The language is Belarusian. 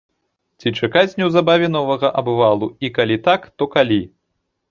Ці чакаць неўзабаве новага абвалу і калі так, то калі?